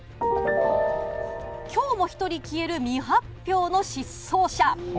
きょうも１人消える未発表の失踪者。